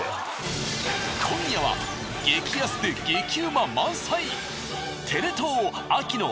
今夜は激安で激うま満載。